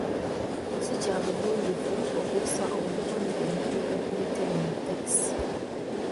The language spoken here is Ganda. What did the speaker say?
Ssi kya bugunjufu okuyisa omukono emabega ku ntebe mu takisi.